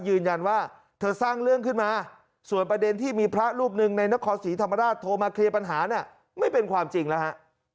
ยืนยันว่าเธอสร้างเรื่องขึ้นมาส่วนประเด็นที่มีพระรูปหนึ่งในนครศรีธรรมราชโทรมาเคลียร์ปัญหาเนี่ยไม่เป็นความจริงแล้วฮะ